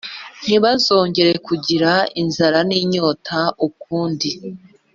Ntibazongera kugira inzara n inyota ukundi